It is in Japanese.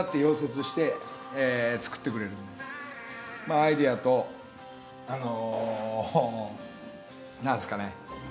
アイデアとあの何ですかね